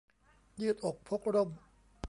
ยืดอกพกร่ม